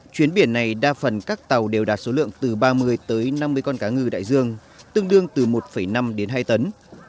chuyến biển này đa phần các tàu đều đạt số lượng từ ba mươi tới năm mươi con cá ngừ đại dương tương đương từ một năm đến hai tấn